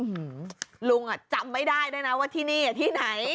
ลุงอ่ะจำไม่ได้ด้วยนะว่าที่นี่ที่ไหน